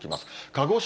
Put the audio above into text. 鹿児島、